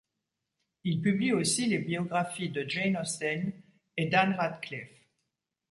Il publie aussi les biographies de Jane Austen et d'Ann Radcliffe.